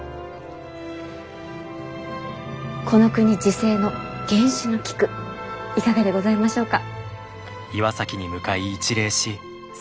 この国自生の原種の菊いかがでございましょうか？